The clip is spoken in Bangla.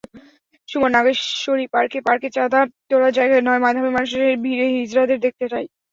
সুমন, নাগেশ্বরীপার্কে পার্কে চাঁদা তোলার জায়গায় নয়, মেধাবী মানুষের ভিড়ে হিজড়াদের দেখতে চাই।